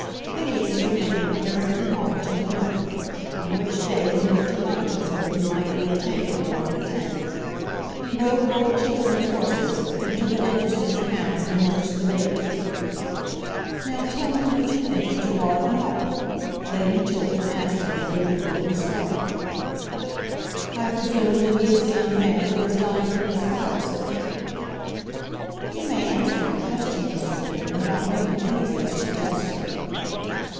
Phineas remained at Harrington Hall till the ninth, on which day he went to London so that he might be at Tankerville on the tenth. He rode Lord Chiltern's horses, and took an interest in the hounds, and nursed the baby. "Now tell me what you think of Gerard Maule," Lady Chiltern asked him, the day before he started. "I presume that he is the young man that is dying for Miss Palliser." "You may answer my question, Mr. Finn, without making any such suggestion."